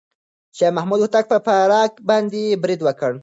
شاه محمود هوتک پر فراه باندې بريد وکړ.